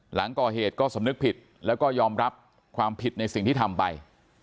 หลังก่อเหตุก็สำนึกผิดแล้วก็ยอมรับความผิดในสิ่งที่ทำไป